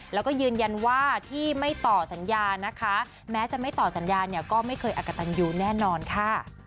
แล้วก็ยืนยันว่าที่ไม่ต่อสัญญานะคะแม้จะไม่ต่อสัญญาเนี่ยก็ไม่เคยอักกะตันยูแน่นอนค่ะ